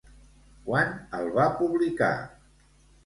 Quan el va publicar?